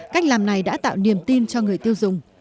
cách làm này đã tạo niềm tin cho người tiêu dùng